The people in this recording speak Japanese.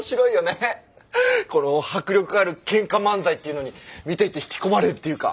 この迫力ある喧嘩漫才っていうのに見ていて引き込まれるっていうか。